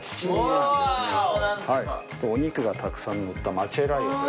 お肉がたくさんのったマチェライオです。